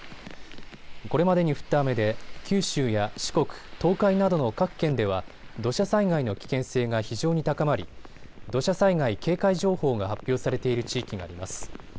これまでに降った雨で九州や四国、東海などの各県では土砂災害の危険性が非常に高まり、土砂災害警戒情報が発表されている地域があります。